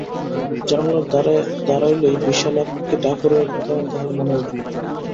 জানালার ধারে দাঁড়াইলেই বিশালাক্ষী ঠাকুরের কথা তাহার মনে ওঠে।